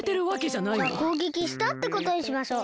じゃあこうげきしたってことにしましょう。